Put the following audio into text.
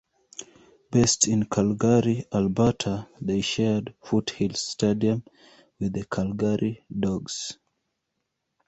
Based in Calgary, Alberta, they shared Foothills Stadium with the Calgary Dawgs.